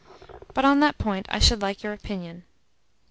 But on that point I should like your opinion."